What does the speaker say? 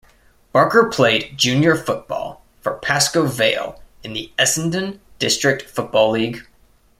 Barker played junior football for Pascoe Vale in the Essendon District Football League.